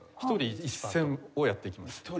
１人１線をやっていきます。